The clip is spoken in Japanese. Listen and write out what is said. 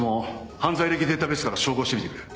犯罪歴データベースから照合してみてくれ。